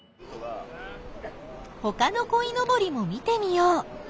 ほかのこいのぼりも見てみよう！